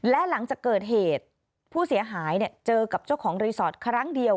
และหลังจากเกิดเหตุผู้เสียหายเจอกับเจ้าของรีสอร์ทครั้งเดียว